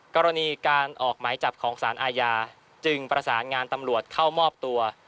กรณีการออกหมายจับของสารอาญาจึงประสานงานตำรวจเข้ามอบตัว